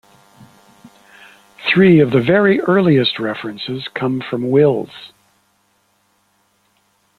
Three of the very earliest references come from Wills.